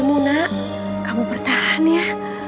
kamu nak kamu bertahan ya